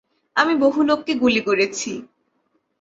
আমি বহু লোককে গুলি করেছি।